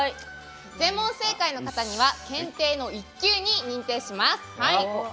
全問正解の方には検定の１級に認定します。